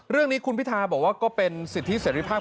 เรื่องนี้คุณพิธาบอกว่าก็เป็นสิทธิเสร็จภาพ